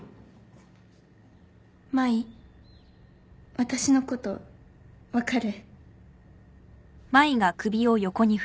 私のこと分かる？